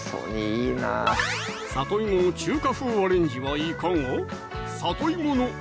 里芋の中華風アレンジはいかが？